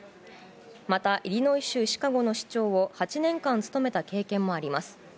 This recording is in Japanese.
またイリノイ州シカゴの市長を８年間務めた経験もあります。